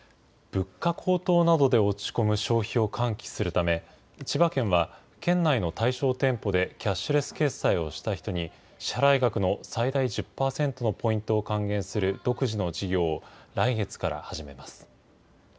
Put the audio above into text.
物価高騰などで落ち込む消費を喚起するため、千葉県は県内の対象店舗でキャッシュレス決済をした人に、支払い額の最大１０％のポイントを還元する独自の事業を、来月から始めます。